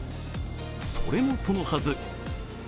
それもそのはず